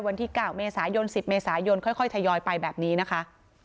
วันที่๙เมษายน๑๐เมษายนค่อยทยอยไปแบบนี้นะคะ